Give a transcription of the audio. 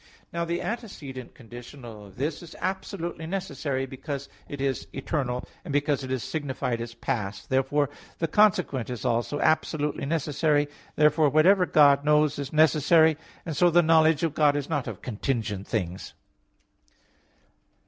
Now the antecedent conditional of this is absolutely necessary, because it is eternal, and because it is signified as past. Therefore the consequent is also absolutely necessary. Therefore whatever God knows, is necessary; and so the knowledge of God is not of contingent things.